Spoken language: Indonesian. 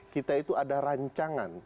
kita itu ada rancangan